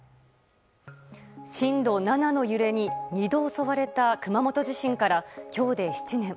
震度７の揺れに２度襲われた熊本地震から今日で７年。